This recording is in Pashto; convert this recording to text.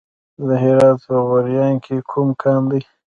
د هرات په غوریان کې کوم کان دی؟